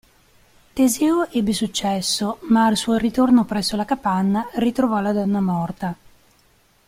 Teseo ebbe successo ma, al suo ritorno presso la capanna, ritrovò la donna morta.